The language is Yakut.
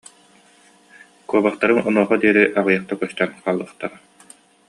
Куобахтарыҥ онуоха диэри аҕыйахта көстөн хаалыахтара